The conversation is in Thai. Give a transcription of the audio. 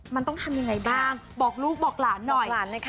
มันต้องทำยังไงบ้างบอกลูกบอกหลานหน่อยหลานเลยค่ะ